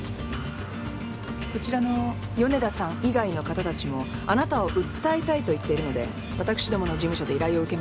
こちらの米田さん以外の方たちもあなたを訴えたいと言っているので私どもの事務所で依頼を受けました。